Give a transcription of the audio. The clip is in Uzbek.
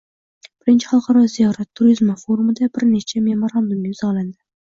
Birinchi Xalqaro ziyorat turizmi forumida bir nechta memorandum imzolandi